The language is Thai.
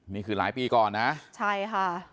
นี่คือหลายปีก่อนนะใช่ค่ะ